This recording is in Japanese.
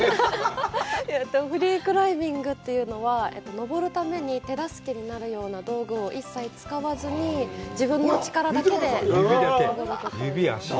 フリークライミングというのは、登るために手助けになるような道具を一切使わずに自分の力だけで登ることを。